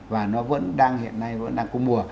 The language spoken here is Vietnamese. và nó vẫn đang hiện nay vẫn đang có mùa